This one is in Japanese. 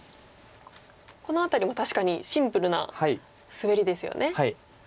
この辺りも確かにシンプルなスベリですよね。